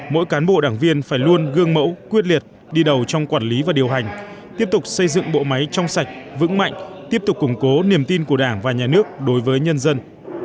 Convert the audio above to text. mỗi cán bộ đảng viên phải luôn gương mẫu quyết liệt đi đầu trong quản lý và điều hành tiếp tục xây dựng bộ máy trong sạch vững mạnh tiếp tục củng cố niềm tin của đảng và nhà nước đối với nhân dân